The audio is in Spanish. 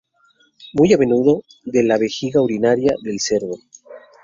Muy a menudo de la vejiga urinaria del cerdo.